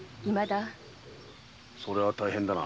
それは大変だな。